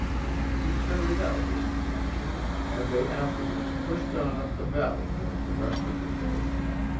He carried out his intention, and they afterwards pushed on up the valley during the rest of the day.